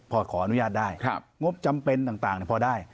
พอขออนุญาตได้งบจำเป็นต่างพอได้